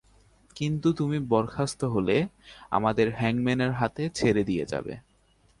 কিন্তু তুমি বরখাস্ত হলে, আমাদের হ্যাংম্যানের হাতে ছেড়ে দিয়ে যাবে।